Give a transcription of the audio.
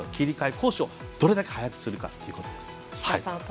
攻守をどれだけ速くするかということで。